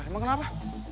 lah emang kenapa